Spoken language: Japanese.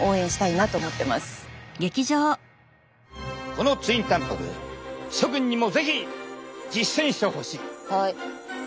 このツインたんぱく諸君にも是非実践してほしい。